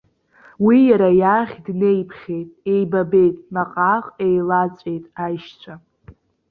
Уи иара иахь днеиԥхьеит, еибабеит, наҟ-ааҟ еилаҵәеит аишьцәа!